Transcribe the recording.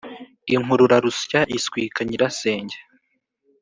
inkururarusya iswika nyirasenge.